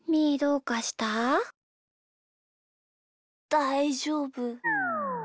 だいじょうぶ。